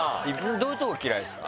どういうとこが嫌いですか？